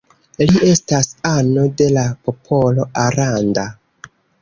Li estas ano de la popolo Aranda.